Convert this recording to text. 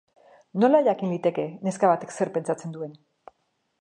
Nola jakin liteke neska batek zer pentsatzen duen?